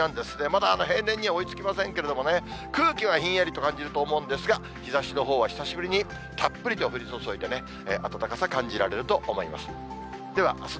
まだ平年には追いつきませんけれどもね、空気はひんやりと感じると思うんですが、日ざしのほうは久しぶりにたっぷりと降り注いでね、暖かさ、感じられると思います。